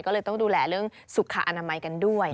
ก็เลยต้องดูแลเรื่องสุขอนามัยกันด้วย